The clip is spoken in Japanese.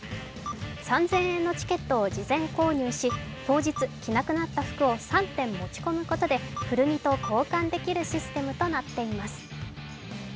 ３０００円のチケットを事前購入し当日、着なくなった服を３点持ち込むことで古着と交換できるシステムとなっています。